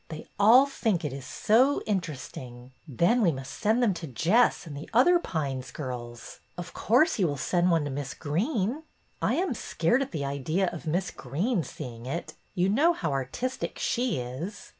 They all think it is so interesting. Then we must send them to Jess and the other Pines girls. Of course you will send one to Miss Greene." I am scared at the idea of Miss Greene see ing it. You know how artistic she is."